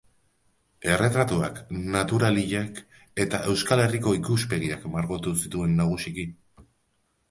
Erretratuak, natural hilak eta Euskal Herriko ikuspegiak margotu zituen nagusiki.